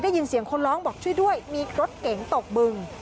ได้ยินเสียงคนร้องบอกช่วยด้วยมีรถเก๋งตกบึง